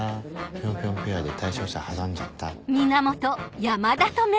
ピョンピョンペアで対象者挟んじゃった。